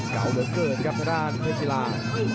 กล่าวเบอร์เกิดครับทางด้านเฟศรีรา